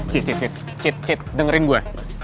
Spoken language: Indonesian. cik cik cik cik cik dengerin gue